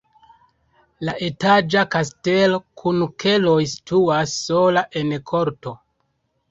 La etaĝa kastelo kun keloj situas sola en korto.